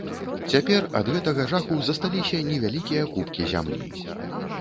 Цяпер ад гэтага жаху засталіся невялікія купкі зямлі.